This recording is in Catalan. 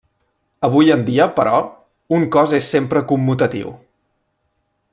Avui en dia però, un cos és sempre commutatiu.